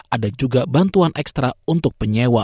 ada juga bantuan ekstra untuk penyewa